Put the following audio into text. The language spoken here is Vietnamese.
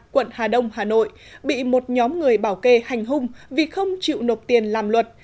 quận hà đông hà nội bị một nhóm người bảo kê hành hung vì không chịu nộp tiền làm luật